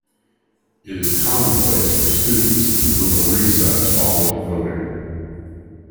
It is commonplace for students to move a recess following voting.